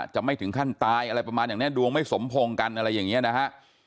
จะไม่ถึงขั้นตายอะไรประมาณอย่างนี้ดวงไม่สมพงษ์กันอะไรอย่างนี้นะฮะ